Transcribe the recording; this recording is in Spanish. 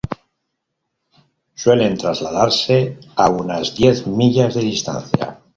Suelen trasladarse a unas diez millas de distancia.